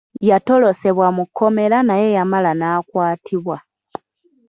Yatolosebwa mu kkomera naye yamala n'akwatibwa.